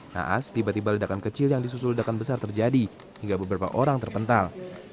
naas tiba tiba ledakan kecil yang disusul ledakan besar terjadi hingga beberapa orang terpental